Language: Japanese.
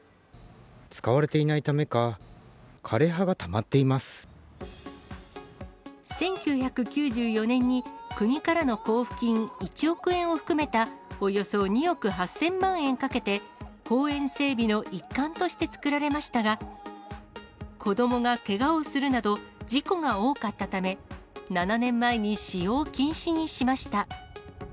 使われていないためか、１９９４年に、国からの交付金１億円を含めた、およそ２億８０００万円かけて、公園整備の一環として作られましたが、子どもがけがをするなど、事故が多かったため、７年前に使用禁止にしました。